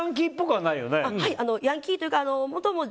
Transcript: はい、ヤンキーというか。